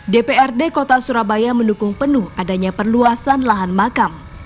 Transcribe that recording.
dprd kota surabaya mendukung penuh adanya perluasan lahan makam